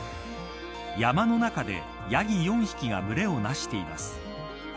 山の中でヤギ４匹が群れをなしています。